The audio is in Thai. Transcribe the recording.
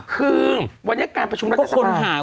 คือวันนี้การประชุมราชสภาพ